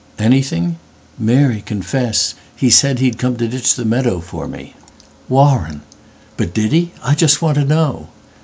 "Anything? Mary, confessHe said he'd come to ditch the meadow for me.""Warren!""But did he? I just want to know."